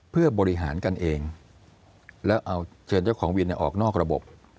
เพื่อบริหารกันเองแล้วเอาเชิญเจ้าของวินออกนอกระบบ